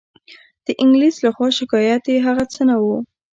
د انګلیس له خوا شکایت یې هغه څه وو.